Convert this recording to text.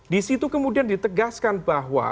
di situ kemudian ditegaskan bahwa